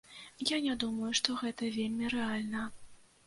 Я не думаю, што гэта вельмі рэальна.